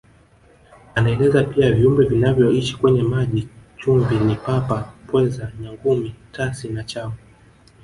Anaeleza pia viumbe vinavyoishi kwenye maji chumvi ni Papa Pweza Nyangumi Tasi na Changu